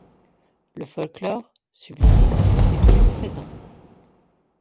Le folklore, sublimé, est toujours présent.